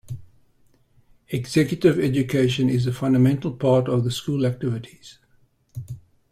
Executive education is a fundamental part of the school activities.